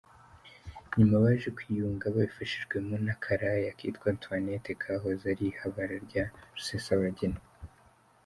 Nyuma baje kwiyunga babifashijwemo n’akaraya kitwa Antoinette kahoze ari ihabara rya Rusesabagina .